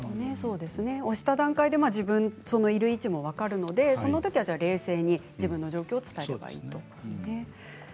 押した段階で自分のいる位置も分かるのでそのときには冷静に自分の状況を伝えればいいということですね。